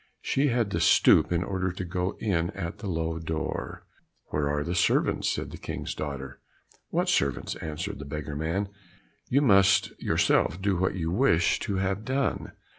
She had to stoop in order to go in at the low door. "Where are the servants?" said the King's daughter. "What servants?" answered the beggar man; "you must yourself do what you wish to have done.